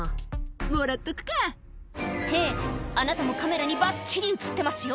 「もらっとくか」ってあなたもカメラにばっちり映ってますよ